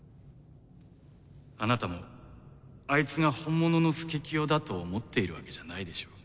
あなたもアイツが本物の佐清だと思っているわけじゃないでしょ。